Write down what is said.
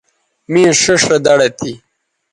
می ݜیئݜ رے دڑد تھی